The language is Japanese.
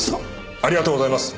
ありがとうございます。